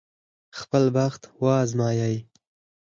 خپل بخت وازمايي.